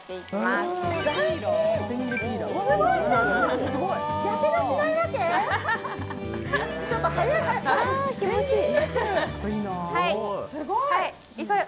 すごいよ！